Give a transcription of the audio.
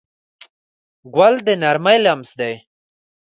ګل د نرمۍ لمس دی.